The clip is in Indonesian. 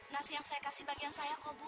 nasi yang saya kasih bagi yang saya kok bu